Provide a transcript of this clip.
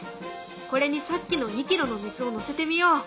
これにさっきの２キロの水をのせてみよう。